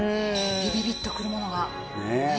ビビビッとくるものが。ねえ。